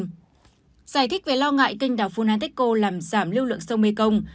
giải thích về lo ngại canh đảo funanteko làm giảm lưu lượng sông mê công